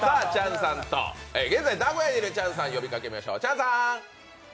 現在名古屋にいるチャンさん呼びかけましょう、チャンさん！